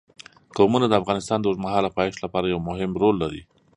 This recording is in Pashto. قومونه د افغانستان د اوږدمهاله پایښت لپاره یو مهم رول لري.